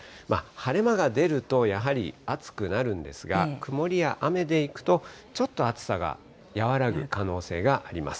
晴れ間が出ると、やはり暑くなるんですが、曇りや雨でいくと、ちょっと暑さが和らぐ可能性があります。